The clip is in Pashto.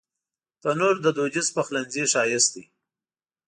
تنور د دودیز پخلنځي ښایست دی